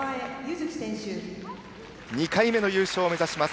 ２回目の優勝を目指します